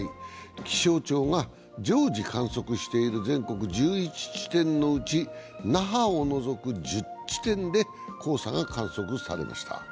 気象庁が常時観測している全国１１地点のうち那覇を除く１０地点で黄砂が観測されました。